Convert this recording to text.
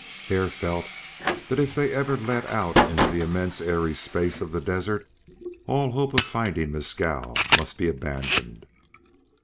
Hare felt that if they ever led out into the immense airy space of the desert all hope of finding Mescal must be abandoned.